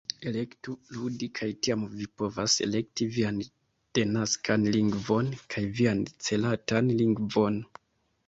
Elektu "ludi" kaj tiam vi povas elekti vian denaskan lingvon kaj vian celatan lingvon